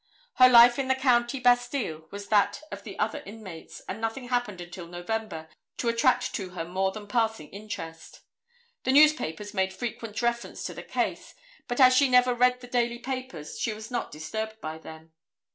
Her life in the county bastile was that of the other inmates, and nothing happened until November, to attract to her more than passing interest. The newspapers made frequent reference to the case, but as she never read the daily papers she was not disturbed by them.